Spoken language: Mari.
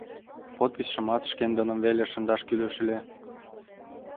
— Подписьшымат шкендыным веле шындаш кӱлеш ыле.